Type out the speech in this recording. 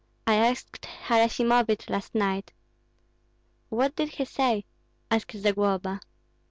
"I asked Harasimovich last night." "What did he say?" asked Zagloba.